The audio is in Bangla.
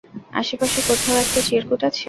আশেপাশে কোথাও একটা চিরকুট আছে?